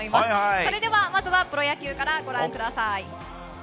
それでは、まずはプロ野球からご覧ください。